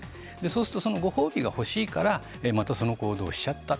そのご褒美と欲しいからまたその行動をしちゃった。